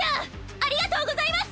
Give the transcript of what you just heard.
ありがとうございます！